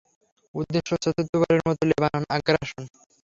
উদ্দেশ্য, চতুর্থবারের মতো লেবানন আগ্রাসন।